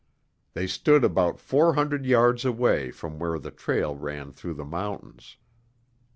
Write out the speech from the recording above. They stood about four hundred yards away from where the trail ran through the mountains.